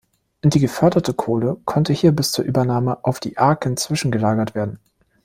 Die geförderte Kohle konnte hier bis zur Übernahme auf die Aaken zwischengelagert werden.